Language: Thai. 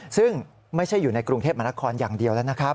ซึ่งไม่ใช่อยู่ในกรุงเทพมนครอย่างเดียวแล้วนะครับ